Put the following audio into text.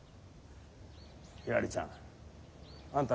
ひらりちゃんあんた